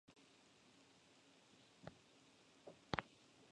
Además formó parte de diversos directorios de sociedades comerciales.